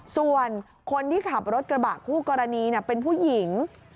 ส่วนคนที่ขับรถกระบะคู่กรณีเป็นผู้หญิง